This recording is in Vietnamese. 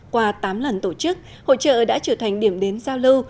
qua tám lần tổ chức hội trợ đã trở thành điểm đến giao lưu